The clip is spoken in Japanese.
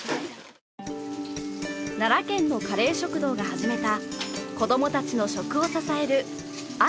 奈良県のカレー食堂が始めた子どもたちの食を支えるある取り組み。